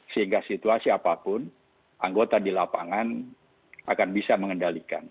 sehingga situasi apapun anggota di lapangan akan bisa mengendalikan